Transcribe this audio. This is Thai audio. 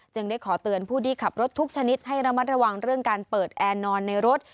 ได้ขอเตือนผู้ที่ขับรถทุกชนิดให้ระมัดระวังเรื่องการเปิดแอร์นอนในรถ